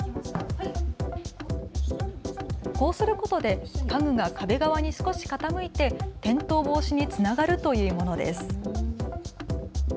こうすることで家具が壁側に少し傾いて転倒防止につながるというものです。